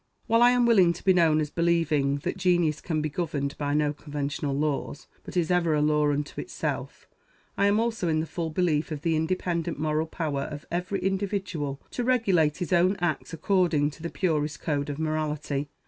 While I am willing to be known as believing that genius can be governed by no conventional laws, but is ever a law unto itself, I am also in the full belief of the independent moral power of every individual to regulate his own acts according to the purest code of morality.